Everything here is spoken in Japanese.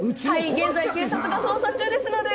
現在警察が捜査中ですので。